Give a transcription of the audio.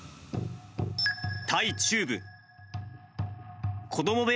タイ中部。